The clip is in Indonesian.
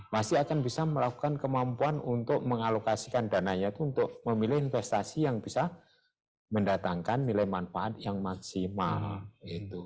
masih akan bisa melakukan kemampuan untuk mengalokasikan dananya itu untuk memilih investasi yang bisa mendatangkan nilai manfaat yang maksimal gitu